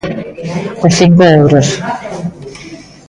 Os cinco euros.